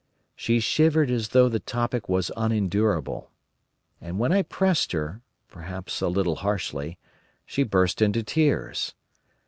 She shivered as though the topic was unendurable. And when I pressed her, perhaps a little harshly, she burst into tears.